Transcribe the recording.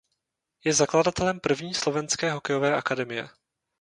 Je zakladatelem první slovenské hokejové akademie.